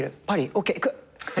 ＯＫ行く！